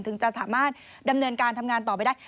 ถึงจะสามารถดำเนินการทำงานต่อไปได้